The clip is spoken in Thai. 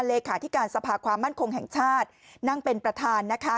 เลขาธิการสภาความมั่นคงแห่งชาตินั่งเป็นประธานนะคะ